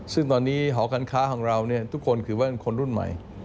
ซึ่งตอนนี้หอการค้าของเราทุกคนถือว่าเป็นคนรุ่นใหม่